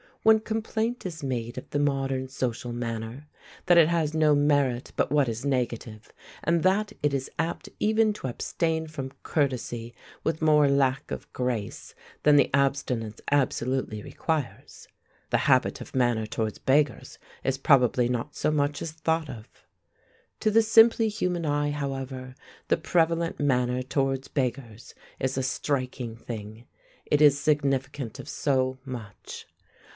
When complaint is made of the modern social manner that it has no merit but what is negative, and that it is apt even to abstain from courtesy with more lack of grace than the abstinence absolutely requires the habit of manner towards beggars is probably not so much as thought of. To the simply human eye, however, the prevalent manner towards beggars is a striking thing; it is significant of so much.